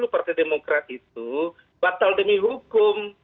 partai demokrat itu batal demi hukum